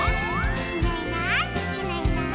「いないいないいないいない」